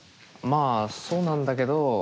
まあそうなんだけど。